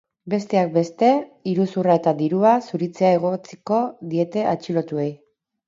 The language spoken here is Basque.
Besteak beste, iruzurra eta dirua zuritzea egotziko diete atxilotuei.